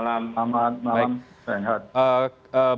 selamat malam selamat malam selamat malam